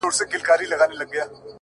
زلفي او باڼه اشــــــنـــــــــــا؛